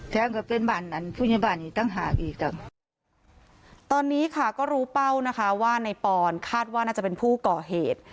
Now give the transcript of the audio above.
ตอนนี้ค่ะก็รู้เป้านะคะว่านายป่อนคาดว่าน่าจะเป็นผู้ก่อเหตุ